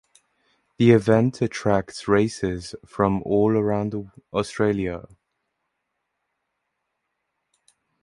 The event attracts racers from all around Australia.